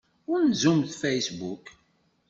Ɣunzumt Facebook.